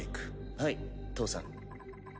はい義父さん。